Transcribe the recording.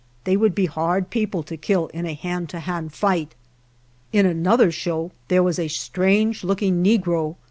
They would be hard peo ple to kill in a hand to hand fight. In another show there was a strange look ing negro.